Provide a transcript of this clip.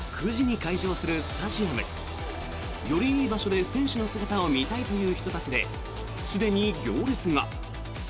９時に開場するスタジアム。よりいい場所で選手の姿を見たいという人たちですでに行列が。